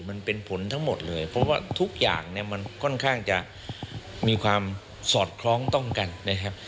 มันเป็นผลทั้งหมดเลยเพราะว่าทุกอย่างเนี่ยมันค่อนข้างจะมีความสอดคล้องต้องกันนะครับ